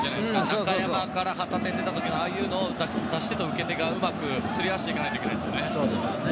中山から旗手に出た時のああいうのを出し手と受け手が、うまくすり合わせていかないといけませんね。